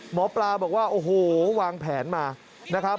หมอปลาบอกว่าโอ้โฮวางแผนมา